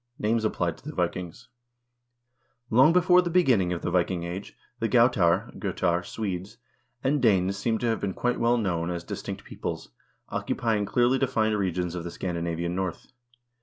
Names Applied to the Vikings Long before the beginning of the Viking Age the Gautar (Gotar), Swedes, and Danes seem to have been quite well known as distinct peoples, occupying clearly defined regions of the Scandinavian North.